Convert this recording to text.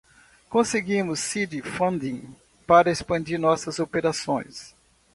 Conseguimos seed funding para expandir nossas operações.